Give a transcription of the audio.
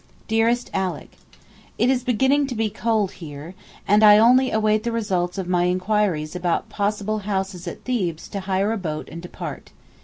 DEAREST ALICK, It is beginning to be cold here, and I only await the results of my inquiries about possible houses at Thebes to hire a boat and depart.